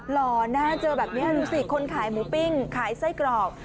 หล่อนะเจอแบบนี้ดูสิคนขายหมูปิ้งขายไส้กรอก